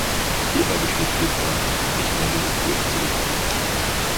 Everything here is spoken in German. Hierbei besteht die Gefahr, nicht mehr genügend Luft zu bekommen.